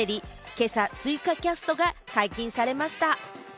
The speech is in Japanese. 今朝、追加キャストが解禁されました。